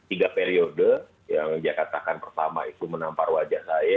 tiga periode yang dia katakan pertama itu menampar wajah saya